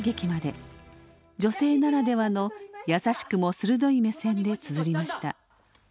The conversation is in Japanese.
女性ならではの優しくも鋭い目線でつづりました。